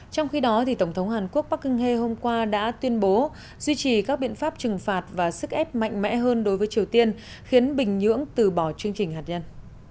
trong khi đó tổng thống hàn quốc bắce hôm qua đã tuyên bố duy trì các biện pháp trừng phạt và sức ép mạnh mẽ hơn đối với triều tiên khiến bình nhưỡng từ bỏ chương trình hạt nhân